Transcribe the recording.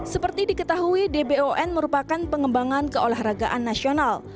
seperti diketahui dbon merupakan pengembangan keolahragaan nasional